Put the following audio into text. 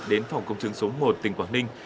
đến phòng công chứng số một tỉnh quảng ninh